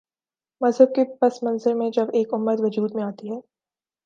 مذہب کے پس منظر میں جب ایک امت وجود میں آتی ہے۔